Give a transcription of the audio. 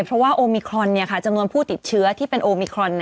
เพราะว่าโอมิครอนจำนวนผู้ติดเชื้อที่เป็นโอมิครอน